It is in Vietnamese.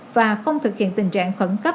và không thực hiện tình trạng khẩn cấp